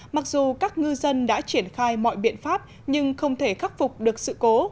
mặc dù các ngư dân đã triển khai mọi biện pháp nhưng không thể khắc phục được sự cố